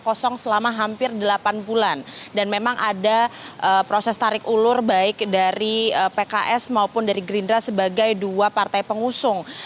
kosong selama hampir delapan bulan dan memang ada proses tarik ulur baik dari pks maupun dari gerindra sebagai dua partai pengusung